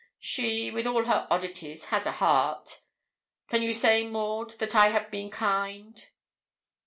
She, with all her oddities, has a heart. Can you say, Maud, that I have been kind?'